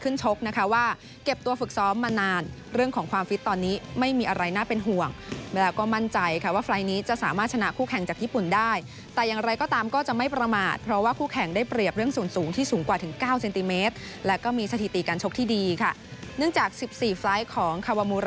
ชกนะคะว่าเก็บตัวฝึกซ้อมมานานเรื่องของความฟิตตอนนี้ไม่มีอะไรน่าเป็นห่วงเวลาก็มั่นใจค่ะว่าไฟล์นี้จะสามารถชนะคู่แข่งจากญี่ปุ่นได้แต่อย่างไรก็ตามก็จะไม่ประมาทเพราะว่าคู่แข่งได้เปรียบเรื่องสูงที่สูงกว่าถึงเก้าเซนติเมตรและก็มีสถิติการชกที่ดีค่ะเนื่องจาก๑๔ไฟล์ของคาวามู